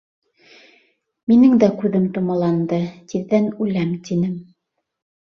Минең дә күҙем томаланды, тиҙҙән үләм, тинем.